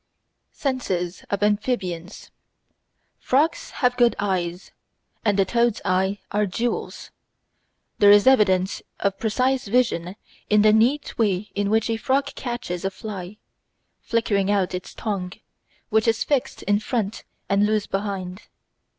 Senses of Amphibians Frogs have good eyes, and the toad's eyes are "jewels." There is evidence of precise vision in the neat way in which a frog catches a fly, flicking out its tongue, which is fixed in front and loose behind.